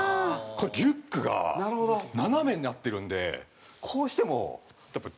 リュックが斜めになってるんでこうしてもやっぱ。